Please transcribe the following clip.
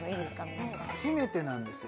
皆さん初めてなんですよ